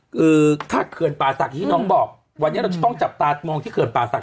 คือถ้าเขื่อนป่าศักดิ์ที่น้องบอกวันนี้เราจะต้องจับตามองที่เขื่อนป่าศักด